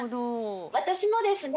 私もですね